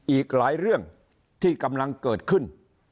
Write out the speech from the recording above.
อีกหลายเรื่องที่กำลังเกิดขึ้น